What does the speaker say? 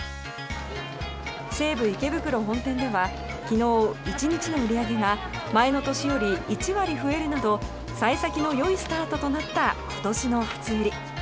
西武池袋本店では昨日１日の売り上げが前の年より１割増えるなど幸先のよいスタートとなった今年の初売り。